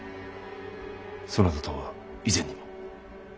そなたとは以前にも？